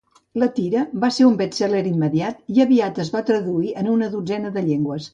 La tira va ser un best-seller immediat i aviat es va traduir en una dotzena de llengües.